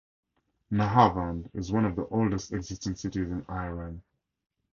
Nahavand is one of the oldest existing cities in Iran.